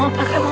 maaf pak maaf